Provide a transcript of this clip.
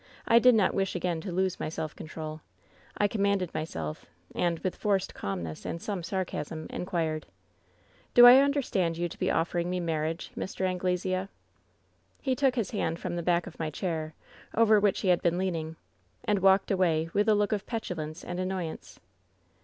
I did not wish again to lose my self control. I commanded my self, and, with forced calmness and some sarcasm, in quired :" ^Do I understand you to be offering me marriage Mr. Anglesea?' "He took his hand from the back of my chair, over which he had been leaning, and walked away with a look of petulance and annoyance.